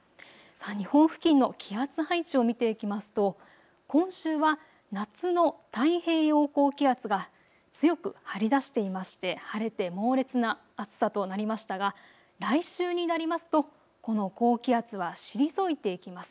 日本付近の気圧配置を見ていきますと今週は夏の太平洋高気圧が強く張り出していまして晴れて猛烈な暑さとなりましたが来週になりますとこの高気圧は退いていきます。